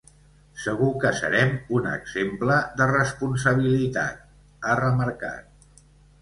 Segur que serem un exemple de responsabilitat, ha remarcat.